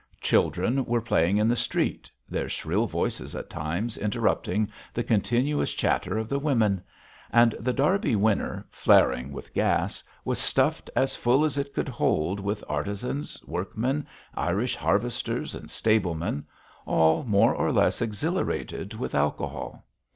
Children were playing in the street, their shrill voices at times interrupting the continuous chatter of the women; and The Derby Winner, flaring with gas, was stuffed as full as it could hold with artizans, workmen, Irish harvesters and stablemen, all more or less exhilarated with alcohol.